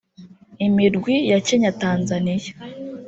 Imirwi ya Kenya Tanzania